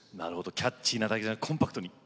キャッチーなだけじゃなくコンパクトに。